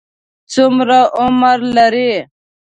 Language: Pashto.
څومره عمر لري؟